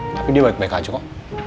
tapi dia baik baik aja kok